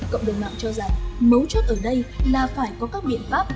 cộng đồng mạng cho rằng mấu chốt ở đây là phải có các biện pháp